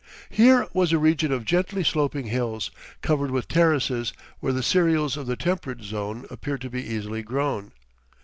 Here was a region of gently sloping hills, covered with terraces, where the cereals of the temperate zone appeared to be easily grown.